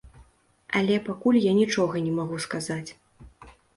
Але пакуль я нічога не магу сказаць.